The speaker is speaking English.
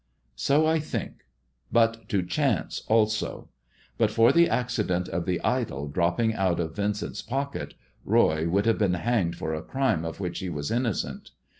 So I think, but to chance also. But for the accident of the idol dropping out of Vincent's pocket, Roy would have been hanged for a crime of which he was innocent.